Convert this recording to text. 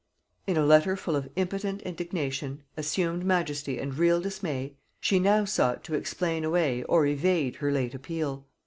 In a letter full of impotent indignation, assumed majesty and real dismay, she now sought to explain away or evade her late appeal.